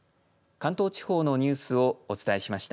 関東地方のニュースをお伝えしました。